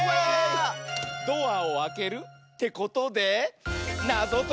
ドアをあけるってことでなぞとき。